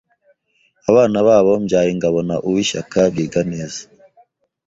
Abana babo Mbyayingabo na Uwishyaka biga neza